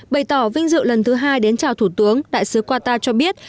bày tỏ vinh dự lần thứ hai đến chào thủ tướng đại sứ qua ta cho biết